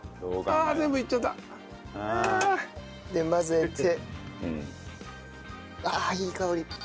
あーっいい香り！